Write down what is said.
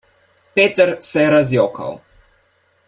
Peter se je razjokal.